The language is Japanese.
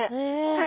はい。